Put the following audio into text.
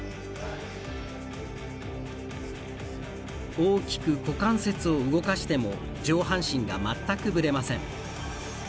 大きく股関節を動かしても上半身が全くぶれません。